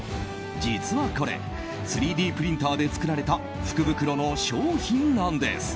実はこれ３Ｄプリンターで作られた福袋の商品なんです。